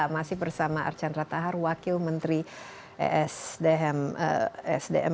masih bersama archandra tahar wakil menteri esdm